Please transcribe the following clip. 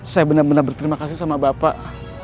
saya benar benar berterima kasih sama bapak